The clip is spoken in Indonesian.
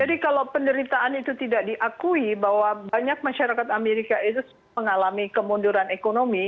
jadi kalau penderitaan itu tidak diakui bahwa banyak masyarakat amerika itu mengalami kemunduran ekonomi